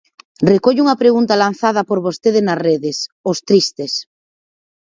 Recollo unha pregunta lanzada por vostede nas redes: Os Tristes.